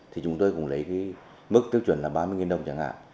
thì chúng tôi cũng lấy cái mức tiêu chuẩn là ba mươi đồng chẳng hạn